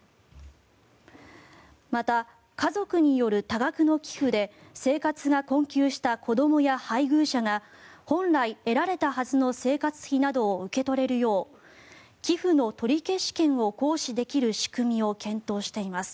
また、家族による多額の寄付で生活が困窮した子どもや配偶者が本来得られたはずの生活費などを受け取れるよう寄付の取消権を行使できる仕組みを検討しています。